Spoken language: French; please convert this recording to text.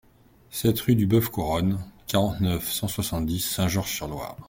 sept rue du Boeuf Couronne, quarante-neuf, cent soixante-dix, Saint-Georges-sur-Loire